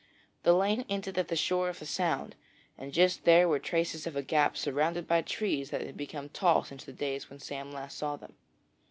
The lane ended at the shore of the Sound, and just there were traces of a gap surrounded by trees that had become tall since the days when Sam last saw them.